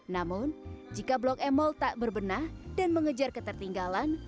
namun jika blok m mall tak berbenah dan mengejar ketertinggalan